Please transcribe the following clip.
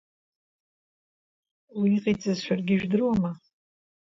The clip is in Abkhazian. Уи иҟаиҵаз шәаргьы ижәдыруама?